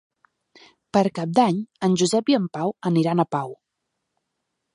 Per Cap d'Any en Josep i en Pau aniran a Pau.